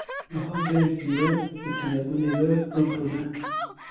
Niha gelek cure bi tunebûnê ve rû bi rû ne.